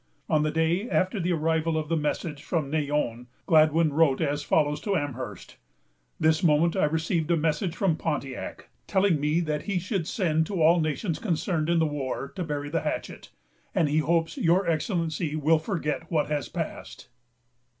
On the day after the arrival of the message from Neyon, Gladwyn wrote as follows to Amherst: "This moment I received a message from Pondiac, telling me that he should send to all the nations concerned in the war to bury the hatchet; and he hopes your Excellency will forget what has passed."